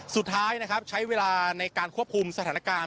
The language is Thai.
สุดท้ายนะครับใช้เวลาในการควบคุมสถานการณ์